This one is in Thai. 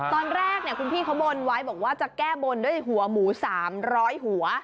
ตอนแรกเนี่ยพี่เขาบนนว่าจะแก้บนด้วยหัวหมู๓๐๐หัว